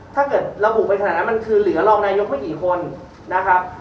ถ้าเกิดระบุไปขนาดนั้นมันคือเหลือรองนายกไม่กี่คนนะครับ